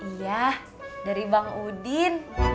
iya dari bang udin